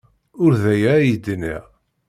Ur d aya ay d-nniɣ.